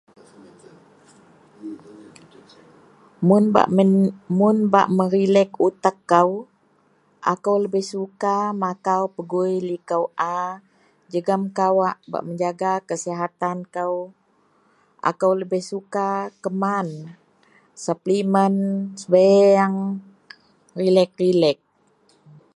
Mun bak ee mun bak merelek uteak kou, akou lebeh suka makau pegui likou a jegem kawak bak menjaga kesihatan kou. Akou lebeh suka keman suplimen, sebiyeang, relax-relax.